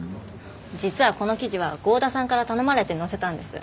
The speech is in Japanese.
実はこの記事は郷田さんから頼まれて載せたんです。